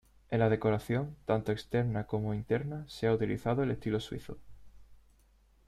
En la decoración, tanto externa como interna, se ha utilizado el estilo suizo.